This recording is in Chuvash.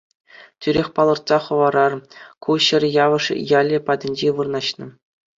Тӳрех палӑртса хӑварар, ку ҫӗр Явӑш ялӗ патӗнче вырнаҫнӑ.